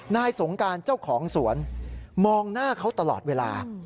นายสงการเจ้าของสวนมองหน้าเขาตลอดเวลา